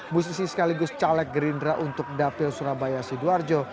musisi sekaligus caleg gerindra untuk dapil surabaya sidoarjo